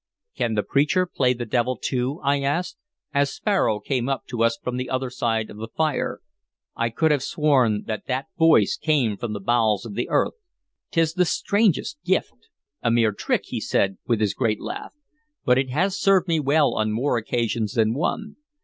"Can the preacher play the devil too?" I asked, as Sparrow came up to us from the other side of the fire. "I could have sworn that that voice came from the bowels of the earth. 'T is the strangest gift!" "A mere trick," he said, with his great laugh, "but it has served me well on more occasions than one.